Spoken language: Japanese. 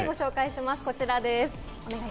こちらです。